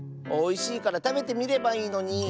おいしいからたべてみればいいのに。